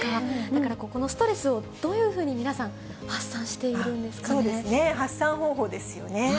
だから、このストレスをどういうふうに皆さん、発散しているんで発散方法ですよね。